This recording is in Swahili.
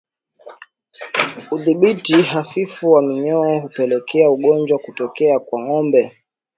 Udhibiti hafifu wa minyoo hupelekea ugonjwa kutokea kwa ngombe